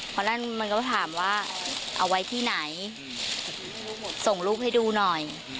เพราะฉะนั้นมันก็ถามว่าเอาไว้ที่ไหนส่งรูปให้ดูหน่อย